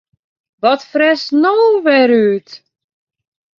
Wat fretst no wer út?